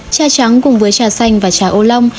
trà trắng cùng với trà xanh và trà ô long